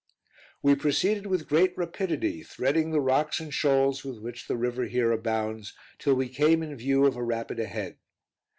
We proceeded with great rapidity, threading the rocks and shoals with which the river here abounds, till we came in view of a rapid ahead.